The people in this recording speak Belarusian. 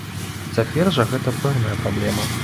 Цяпер жа гэта пэўная праблема.